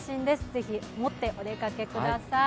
ぜひ持ってお出かけください。